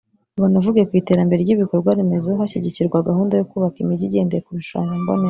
banavuge ku iterambere ry’ ibikorwa remezo hashyigikirwa gahunda yo kubaka imijyi igendeye ku bishushanyo mbonera